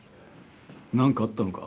何かあったのか？